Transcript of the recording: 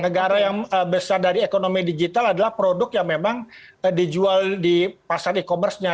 negara yang besar dari ekonomi digital adalah produk yang memang dijual di pasar e commerce nya